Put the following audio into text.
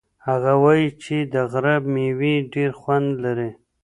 هغه وایي چې د غره مېوې ډېر خوند لري.